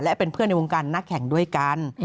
และเป็นเพื่อนในวงการนักแข่งด้วยกัน